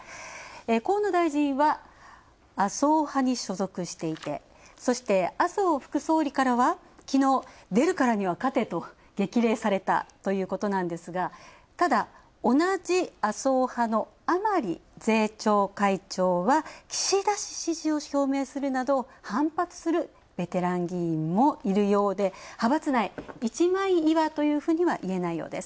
河野大臣は麻生派に所属していて、そして、麻生副総理からはきのう、出るからには勝てと激励されたということなんですが、ただ、同じ麻生派の甘利税調会長は岸田氏支持を表明するなど反発するベテラン議員もいるようで、派閥内、一枚岩というふうにはいえないようです。